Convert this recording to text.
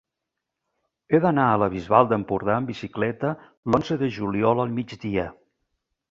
He d'anar a la Bisbal d'Empordà amb bicicleta l'onze de juliol al migdia.